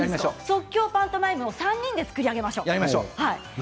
即興パントマイムを３人で作り上げましょう。